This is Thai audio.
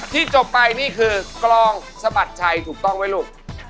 ที่จบไปนี่คือกลองสะบัดชัยถูกต้องไหมลูก